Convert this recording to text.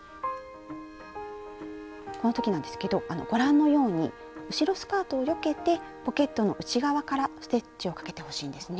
この時なんですけどご覧のように後ろスカートをよけてポケットの内側からステッチをかけてほしいんですね。